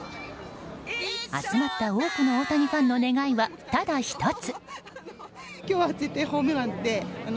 集まった多くの大谷ファンの願いは、ただ１つ。